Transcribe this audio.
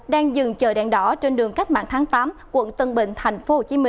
đang dừng chờ đèn đỏ trên đường cách mạng tháng tám quận tân bình tp hcm